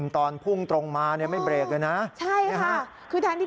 สวัสดีสวัสดี